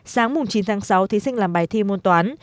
sáng chín tháng sáu thí sinh làm bài thi môn toán